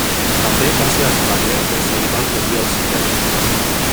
També va ser a Espanya on se li va afegir el serrell.